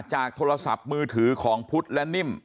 โทรศัพท์มือถือของพุทธและนิ่ม